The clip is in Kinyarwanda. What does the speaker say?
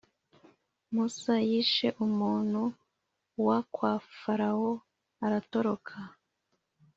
musa yishe umuntu wa kwa farawo aratoroka